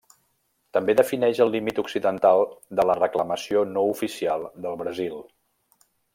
També defineix el límit occidental de la reclamació no oficial del Brasil.